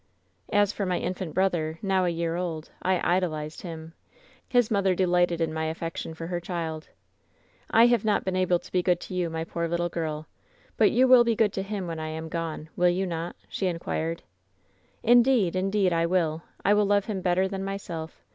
"As for my infant brother, now a year old, I idolized him. His mother delighted in my affection for her child. " *I have not been able to be good to you, my poor little girl ; but you will be good to him when I am gone, will you not V she inquired. " 'Indeed, indeed, I will. I will love him better than myself.